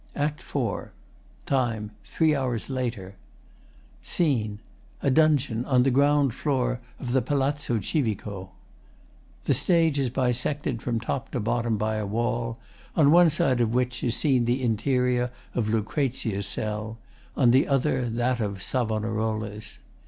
] ACT IV TIME: Three hours later. SCENE: A Dungeon on the ground floor of the Palazzo Civico. The stage is bisected from top to bottom by a wall, on one side of which is seen the interior of LUCREZIA'S cell, on the other that of SAVONAROLA'S.